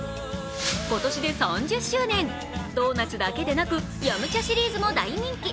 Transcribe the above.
今年で３０周年、ドーナツだけでなく飲茶シリーズも大人気。